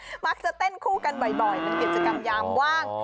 เออมักจะเต้นคู่กันบ่อยบ่อยมันกิจกรรมยามว่าง